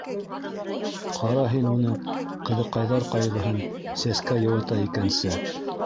Ҡара һин уны, ҡыҙыҡайҙар ҡайғыһын сәскә йыуата икәнсе!